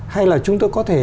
hay là chúng tôi có thể